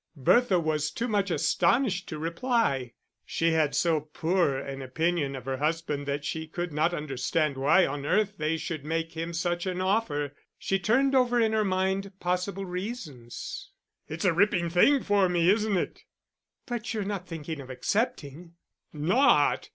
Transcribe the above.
Bertha was too much astonished to reply. She had so poor an opinion of her husband that she could not understand why on earth they should make him such an offer. She turned over in her mind possible reasons. "It's a ripping thing for me, isn't it?" "But you're not thinking of accepting?" "Not?